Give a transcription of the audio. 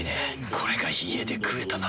これが家で食えたなら。